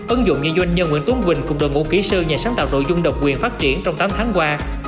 ứng dụng do doanh nhân nguyễn tuấn quỳnh cùng đội ngũ kỹ sư nhà sáng tạo nội dung độc quyền phát triển trong tám tháng qua